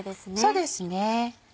そうですね。